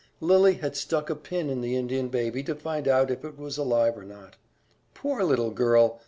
Lily had stuck a pin in the Indian baby to find out if it was alive or not. Poor little girl!